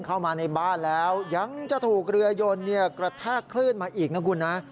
เข้ามาในบ้านแล้วยังจะถูกเรือยนกระแทกคลื่นมาอีกนะคุณนะ